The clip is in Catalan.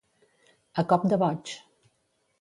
A cop de boig.